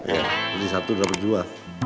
ya beli satu dapat dua